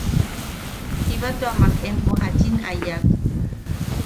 “Jiba tua mak empo jachin a yak”.